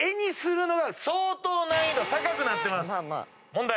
問題